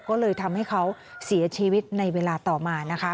ก็เลยทำให้เขาเสียชีวิตในเวลาต่อมานะคะ